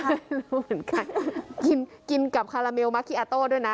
เหมือนกันกินกับคาราเมลมาเคียโต้ด้วยน่ะ